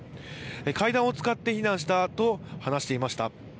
階段を使って避難したと話していました。